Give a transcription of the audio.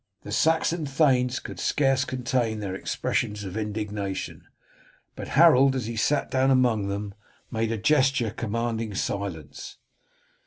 The Saxon thanes could scarce contain their expressions of indignation, but Harold as he sat down among them made a gesture commanding silence.